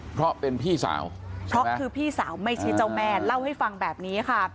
เพราะเป็นพี่สาวเพราะคือพี่สาวไม่ใช่เจ้าแม่เล่าให้ฟังแบบนี้ค่ะ